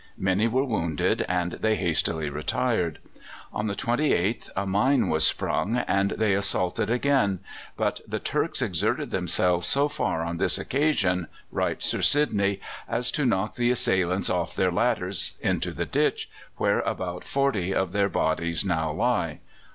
Many were wounded, and they hastily retired. On the 28th a mine was sprung, and they assaulted again; but "the Turks exerted themselves so far on this occasion," writes Sir Sidney, "as to knock the assailants off their ladders into the ditch, where about forty of their bodies now lie."